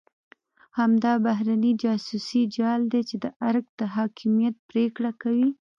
همدا بهرنی جاسوسي جال دی چې د ارګ د حاکمیت پرېکړه کوي.